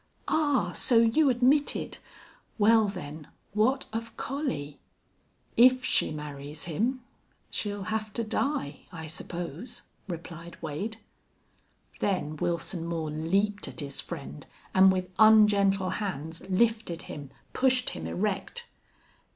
"Ah! so you admit it? Well, then, what of Collie?" "If she marries him she'll have to die, I suppose," replied Wade. Then Wilson Moore leaped at his friend and with ungentle hands lifted him, pushed him erect.